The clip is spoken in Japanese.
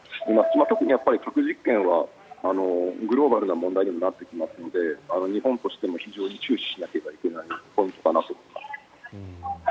特に核実験はグローバルな問題にもなってきますので日本としても非常に注視しなければならないポイントかなと。